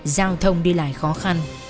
giao thông đi lại khó khăn